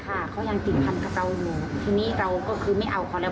ใช่ค่ะยังตีดพันธ์กับเราทีนี้เราก็คือไม่เอาเขาแล้ว